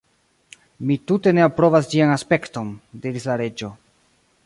"Mi tute ne aprobas ĝian aspekton," diris la Reĝo.